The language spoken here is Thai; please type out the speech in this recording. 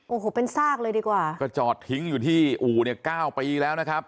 โอ้โหเป็นซากเลยดีกว่าก็จอดทิ้งอยู่ที่อู่เนี่ยเก้าปีแล้วนะครับ